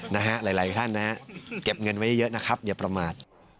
แต่หลายท่านนะครับเก็บเงินไว้เยอะนะครับเดี๋ยวประมาท